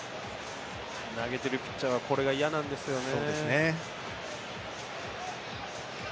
投げてるピッチャーはこれが嫌なんですよね。